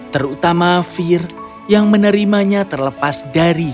terutama fir yang menerimanya terlepas dari